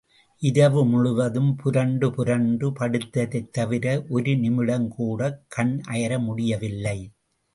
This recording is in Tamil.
இரவு முழுவதும் புரண்டு புரண்டு படுத்ததைத் தவிர ஒரு நிமிடம் கூட கண் அயர முடியவில்லை.